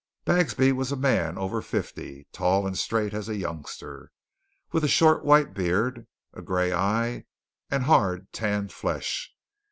Bagsby was a man of over fifty, tall and straight as a youngster, with a short white beard, a gray eye, and hard, tanned flesh.